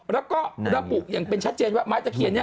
แล้วก็ระบุอย่างเป็นชัดเจนว่าไม้ตะเคียนนี้